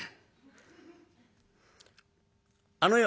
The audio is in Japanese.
「あのよ」。